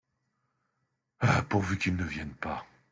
Pourvu qu’il ne vienne pas !